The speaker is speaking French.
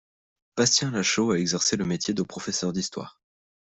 Bastien Lachaud a exercé le métier de professeur d'histoire.